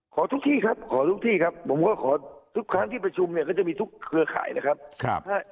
ขอทุกที่ครับขอทุกที่ครับผมก็ขอทุกครั้งที่ประชุมเนี่ยก็จะมีทุกเครือข่ายนะครับ